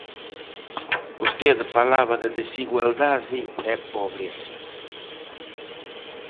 Vostede falaba de desigualdade e pobreza.